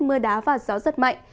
mưa đá và gió rất mạnh